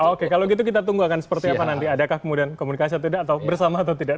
oke kalau gitu kita tunggu akan seperti apa nanti adakah kemudian komunikasi atau tidak atau bersama atau tidak